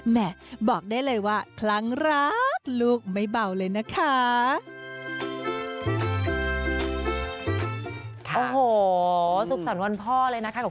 แม่บอกได้เลยว่าครั้งรักลูกไม่เบาเลยนะคะ